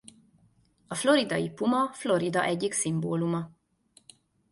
A floridai puma Florida egyik szimbóluma.